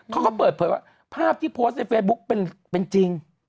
เขาก็เปิดเผยว่าภาพที่โพสต์ในเฟซบุ๊กเป็นจริง